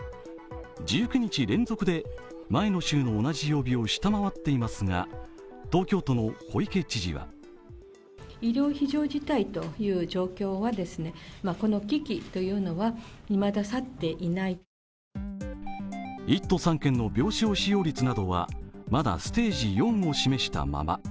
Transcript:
１９日連続で前の週の同じ曜日を下回っていますが東京都の小池知事は１都３県の病床使用率などは、まだステージ４を示したまま。